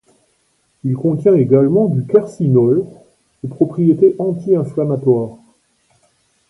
Il contient également du quercinol, aux propriétés anti-inflammatoires.